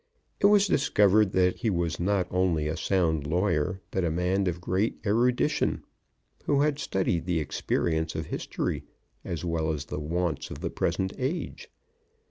It was discovered that he was not only a sound lawyer, but a man of great erudition, who had studied the experience of history as well as the wants of the present age.